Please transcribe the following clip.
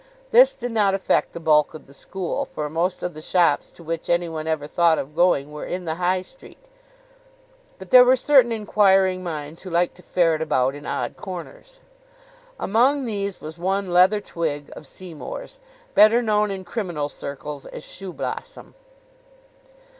This did not affect the bulk of the school, for most of the shops to which any one ever thought of going were in the High Street. But there were certain inquiring minds who liked to ferret about in odd corners. Among these was one Leather Twigg, of Seymour's, better known in criminal circles as Shoeblossom.